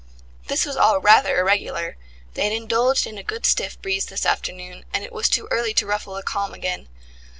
This was all rather irregular: they had indulged in a good stiff breeze this afternoon, and it was too early to ruffle the calm again.